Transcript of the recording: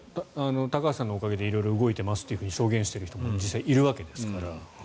高橋さんのおかげで色々動いてますって証言してる人も実際いるわけですから。